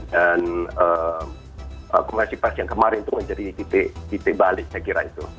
dan kongresifasi yang kemarin itu menjadi titik balik saya kira itu